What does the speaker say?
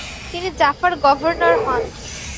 তিনি Jaffa governor হন।